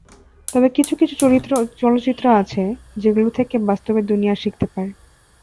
তবে কিছু কিছু চলচ্চিত্র আছে, যেগুলো থেকে বাস্তবের দুনিয়া শিখতে পারে।